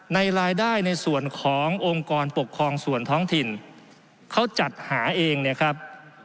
รายได้ในส่วนขององค์กรปกครองส่วนท้องถิ่นเขาจัดหาเองเนี่ยครับ